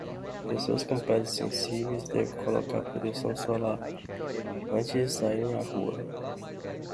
Pessoas com peles sensíveis devem colocar protetor solar antes de saírem à rua.